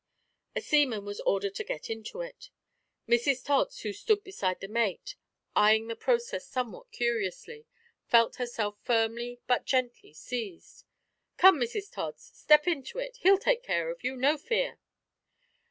A seaman was ordered to get into it. Mrs Tods, who stood beside the mate, eyeing the process somewhat curiously, felt herself firmly but gently seized. "Come, Mrs Tods, step into it. He'll take care of you no fear."